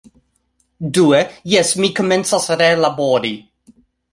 Due... jes, mi komencas relabori